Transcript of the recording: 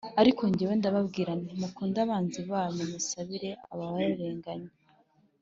Ariko jyeweho ndababwira nti ‘Mukunde abanzi banyu, musabire ababarenganya